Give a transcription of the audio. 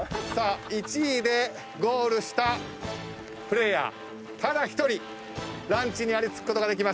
１位でゴールしたプレーヤーただ一人ランチにありつくことができます。